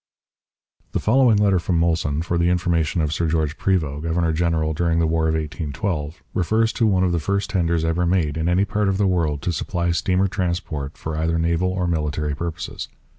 The following letter from Molson, for the information of Sir George Prevost, governor general during the War of 1812, refers to one of the first tenders ever made, in any part of the world, to supply steamer transport for either naval or military purposes.